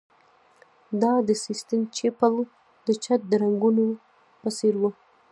دا د سیسټین چیپل د چت د رنګولو په څیر و